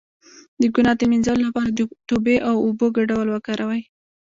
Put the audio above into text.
د ګناه د مینځلو لپاره د توبې او اوبو ګډول وکاروئ